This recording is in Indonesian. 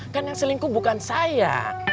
kan yang selingkuh bukan saya